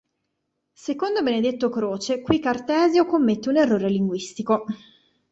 Secondo Benedetto Croce qui Cartesio commette un errore linguistico.